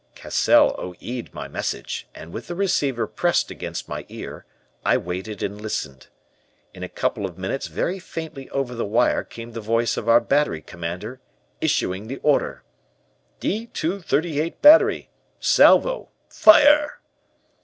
Cassell O. E.'d my message, and with the receiver pressed against my ear, I waited and listened. In a couple of minutes very faintly over the wire came the voice of our Battery Commander issuing the order: 'D 238 Battery. Salvo! Fire!'